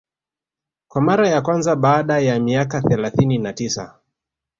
kwa mara ya kwanza baada ya miaka thelathini na tisa